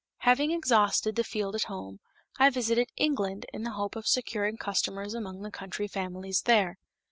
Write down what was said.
Having exhausted the field at home, I visited England in the hope of securing customers among the country families there.